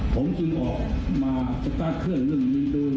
ผมจึงออกมาสตาร์ทเครื่องเรื่องมือ